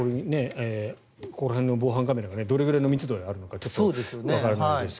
ここら辺の防犯カメラがどれくらいの密度であるのかわからないんですが。